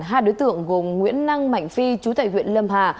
hai đối tượng gồm nguyễn năng mạnh phi chú tại huyện lâm hà